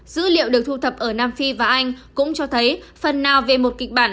dữ liệu được thu thập ở nam phi và anh cũng cho thấy phần nào về một kịch bản